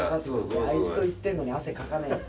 あいつと行ってるのに汗かかない。